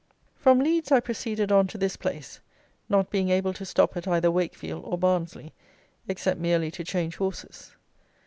From Leeds I proceeded on to this place, not being able to stop at either Wakefield or Barnsley, except merely to change horses.